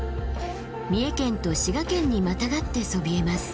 三重県と滋賀県にまたがってそびえます。